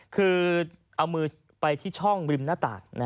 คือเอามือไปที่ช่องริมหน้าต่าง